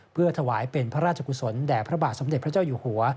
เพื่อถวายเป็นพระราชกุศลแด่พระบาทสมเด็จพระเจ้าอยู่หัว